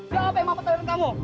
siapa yang mampetin aliran kamu